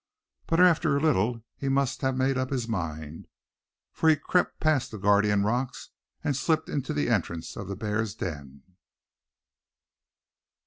But after a little he must have made up his mind; for he crept past the guardian rocks, and slipped into the entrance of the bear's den!